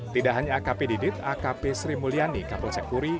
tidak hanya akp didit akp sri mulyani kapolsek puri